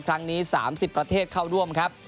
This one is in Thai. ครั้งนี้๓๐ประเทศเข้าร่วมครับ